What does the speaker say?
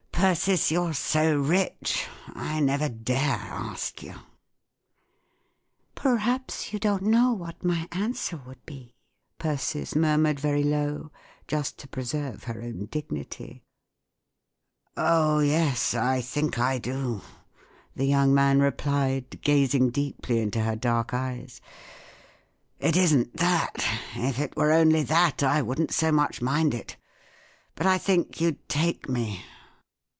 " Persis, you're so rich ! I never dare ask you," " Perhaps you don't know w + hat my answer would be," Persis murmured very lovr 3 just to preserve her ow n dignity, "Oh, yes; I think I do," the young man replied, gazing deeply into her dark eyes. " It isn't that; if it were only that, I wouldn't so much mind it But I think you'd take me."